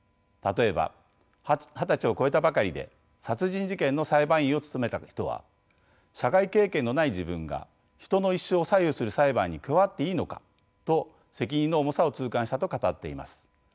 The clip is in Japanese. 例えば二十歳を超えたばかりで殺人事件の裁判員を務めた人は「社会経験のない自分が人の一生を左右する裁判に加わっていいのか」と責任の重さを痛感したと語っています。